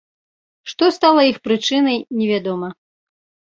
Што стала іх прычынай, невядома.